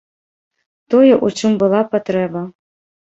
Тое, у чым была патрэба.